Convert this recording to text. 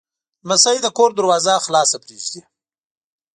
لمسی د کور دروازه خلاصه پرېږدي.